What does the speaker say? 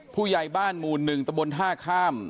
ผู้ใหญ่บ้านหมู่๑ตะบนท่าข้าม